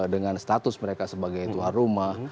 dengan status mereka sebagai tuan rumah